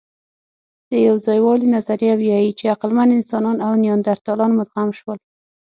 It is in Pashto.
د یوځایوالي نظریه وايي، چې عقلمن انسانان او نیاندرتالان مدغم شول.